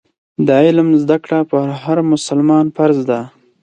د علم زده کړه پر هر مسلمان فرض ده.